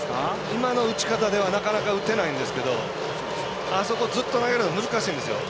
今の打ち方ではなかなか打てないんですけどあそこ、ずっと投げるの難しいんですよ。